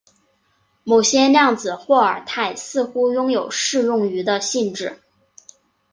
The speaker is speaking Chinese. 某些量子霍尔态似乎拥有适用于的性质。